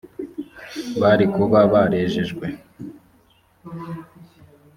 bari kuba barejejwe